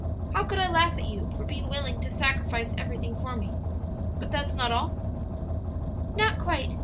"How could I laugh at you for being willing to sacrifice everything for me? But that's not all?" "Not quite.